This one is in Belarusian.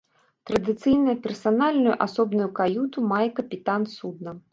Традыцыйна персанальную асобную каюту мае капітан судна.